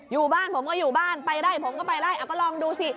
อยู่บ้านผมก็อยู่บ้านไปไล่ผมก็ไปไล่ก็ลองดูสิ